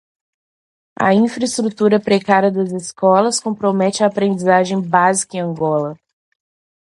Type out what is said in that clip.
A infraestrutura precária das escolas compromete a aprendizagem básica em Angola